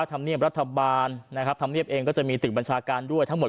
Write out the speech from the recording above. ธรรมเนียบรัฐบาลนะครับธรรมเนียบเองก็จะมีตึกบัญชาการด้วยทั้งหมด